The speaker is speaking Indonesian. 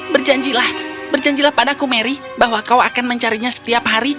berjanjilah berjanjilah padaku mary bahwa kau akan mencarinya setiap hari